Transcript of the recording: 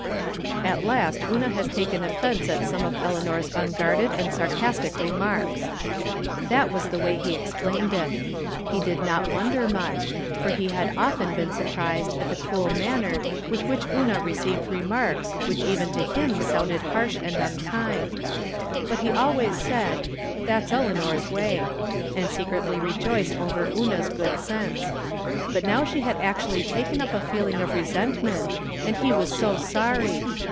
" At last Una has taken offense at some of El eanor's unguarded and carcaotic remarks." That was the way he explained it. He did not wonder much, for he had been often sur 182 I'rom Different Standpoints. prised at the cool manner with wliich Una re ceived remarks which even to him sounded harsh and unkind. But he always said, " Tliat's Elea nor's way," and secretly rejoiced over Una's good sense. But now she had actually taken up a feeling of resentment, and he was so sorry